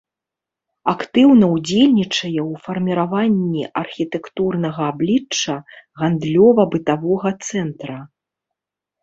Актыўна ўдзельнічае ў фарміраванні архітэктурнага аблічча гандлёва-бытавога цэнтра.